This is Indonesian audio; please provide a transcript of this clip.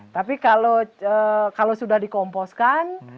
tapi kalau sudah dikomposkan